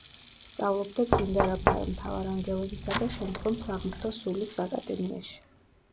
სწავლობდა წმინდა რაფაელ მთავარანგელოზისა და შემდგომ საღმრთო სულის აკადემიაში.